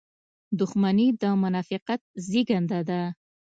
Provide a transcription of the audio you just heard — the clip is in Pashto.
• دښمني د منافقت زېږنده ده.